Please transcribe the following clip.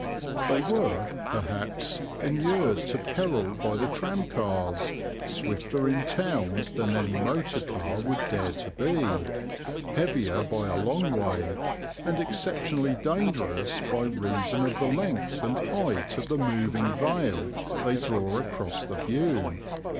They were, perhaps, inured to peril by the tramcars, swifter in towns than any motor car would dare to be, heavier by a long way, and exceptionally dangerous by reason of the length and height of the moving veil they draw across the view.